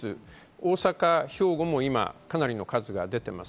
大阪、兵庫もかなりの数が出ています。